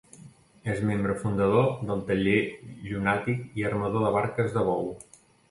És membre fundador del Taller Llunàtic i armador de barques de bou.